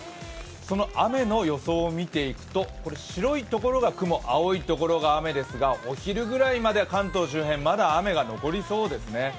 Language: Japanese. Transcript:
その雨の予想を見ていくと、この白い所が雲、青い所が雨ですがお昼ぐらいまでは関東周辺まだ雨が残りそうですね。